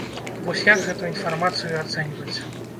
Вось як гэту інфармацыю ацэньваць?